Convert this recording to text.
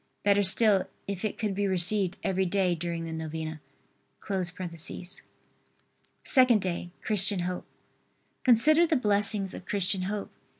Better still, if it could be received every day during the novena.] SECOND DAY. CHRISTIAN HOPE. Consider the blessings of Christian hope.